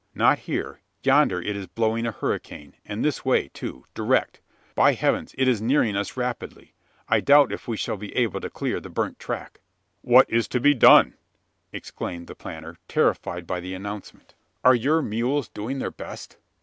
"Not here. Yonder it is blowing a hurricane, and this way too direct. By heavens! it is nearing us rapidly! I doubt if we shall be able to clear the burnt track." "What is to be done?" exclaimed the planter, terrified by the announcement. "Are your mules doing their best?"